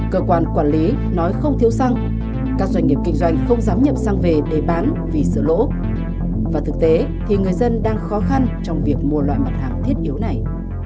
cơ quan quản lý nói không thiếu xăng các doanh nghiệp kinh doanh không dám nhập sang về để bán vì sửa lỗ và thực tế thì người dân đang khó khăn trong việc mua loại mặt hàng thiết yếu này